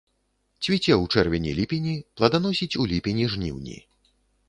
Цвіце ў чэрвені-ліпені, пладаносіць у ліпені-жніўні.